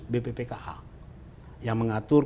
bpkh yang mengatur